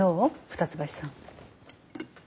二ツ橋さん。